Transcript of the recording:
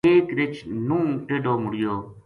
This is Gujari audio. ایک رچھ نہوں ٹیڈو مڑیو